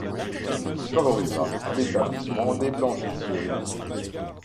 Il favorisa l'établissement des blanchisseries.